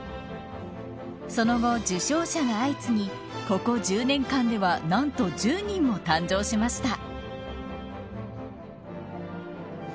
その後、受賞者が相次ぎここ１０年間では何と１０人も誕生しました。